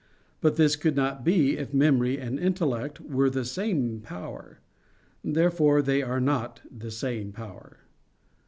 But this could not be if memory and intellect were the same power. Therefore they are not the same power.